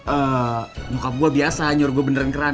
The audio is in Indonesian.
eh muka gue biasa nyuruh gue beneran keran